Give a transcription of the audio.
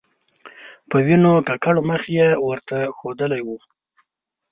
په وینو ککړ مخ یې ورته ښودلی و.